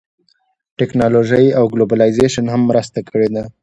ټیکنالوژۍ او ګلوبلایزېشن هم مرسته کړې ده